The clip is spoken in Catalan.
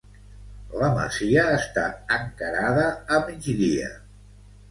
La masia està encarada a migdia.